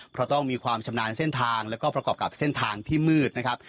เพราะต้องมีความชำนาญเส้นทางแล้วก็ประกอบกับเส้นทางที่มืดนะครับ